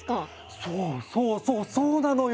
そうそうそうそうなのよ！